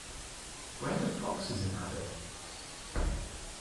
Where do foxes inhabit?